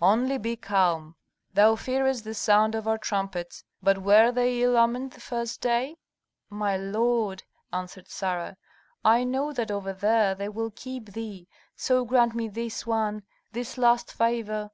"Only be calm. Thou fearest the sound of our trumpets. But were they ill omened the first day?" "My lord," answered Sarah, "I know that over there they will keep thee, so grant me this one, this last favor.